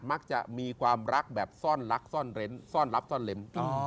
มักจะมีความรักแบบซ่อนรักซ่อนเร้นซ่อนรับซ่อนเล้น